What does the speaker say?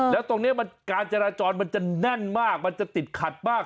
แล้วตรงนี้การจราจรมันจะแน่นมากมันจะติดขัดมาก